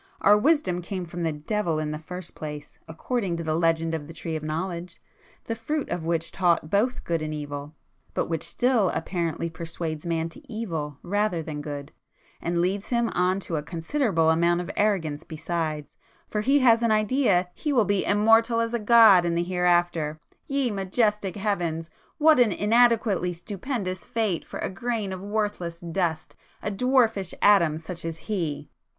Our wisdom came from the devil in the first place, according to the legend of the tree of knowledge,—the fruit of which taught both good and evil, but which still apparently persuades [p 220] man to evil rather than good, and leads him on to a considerable amount of arrogance besides, for he has an idea he will be immortal as a god in the hereafter,—ye majestic Heavens!—what an inadequately stupendous fate for a grain of worthless dust,—a dwarfish atom such as he!"